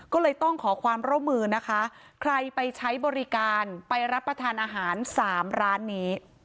ก็เลยต้องขอความร่วมมือนะคะใครไปใช้บริการไปรับประทานอาหาร๓ร้านนี้